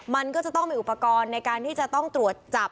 มันก็จะต้องมีอุปกรณ์ในการที่จะต้องตรวจจับ